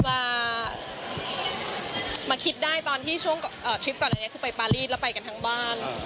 มาคิดได้ตอนที่ช่วงทริปก่อนอันนี้คือไปปารีสแล้วไปกันทั้งบ้าน